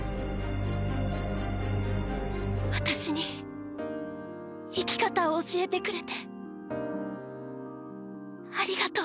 私に生き方を教えてくれてありがとう。